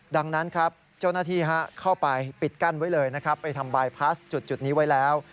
ดังนั้นครับเจ้าหน้าที่เข้าไปปิดกั้นไว้เลยนะครับไปทำบายพลาสจุดนี้ไว้แล้ว